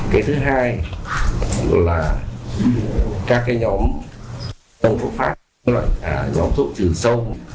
cái thứ hai là các nhóm thuốc phát nhóm thuốc trừ sông